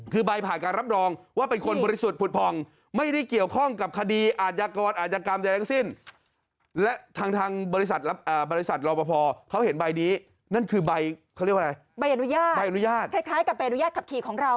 คือใบผ่านการรับรองว่าเป็นคนบริสุทธิ์ผุดพรรณ